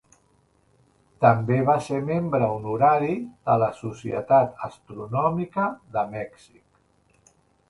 També va ser membre honorari de la Societat Astronòmica de Mèxic.